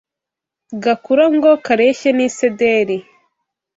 gakura ngo kareshye n’isederi